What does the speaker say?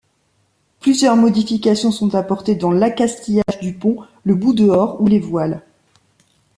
Plusieurs modifications sont apportées dans l'accastillage du pont, le bout-dehors ou les voiles.